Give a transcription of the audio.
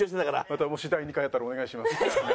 またもし第２回あったらお願いします。